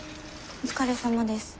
お疲れさまです。